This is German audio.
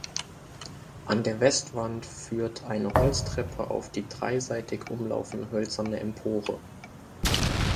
An der Westwand führt eine Holztreppe auf die dreiseitig umlaufende hölzerne Empore.